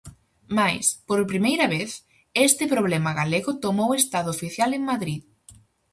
Mais, por primeira vez, este "problema galego" tomou estado oficial en Madrid.